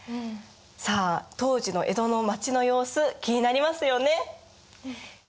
さあ当時の江戸の町の様子気になりますよね！？